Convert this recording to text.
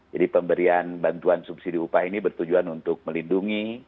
jadi pemberian bantuan subsidi upah ini bertujuan untuk melindungi